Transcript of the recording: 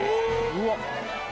・うわっ！